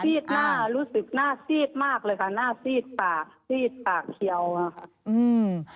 หน้ารู้สึกหน้าซีดมากเลยค่ะหน้าซีดปากซีดปากเขียวอ่ะค่ะอืม